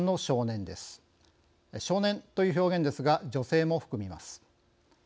少年という表現ですが女性も含みます。